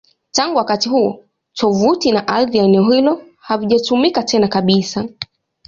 Tangu wakati huo, tovuti na ardhi ya eneo hilo havijatumika tena kabisa.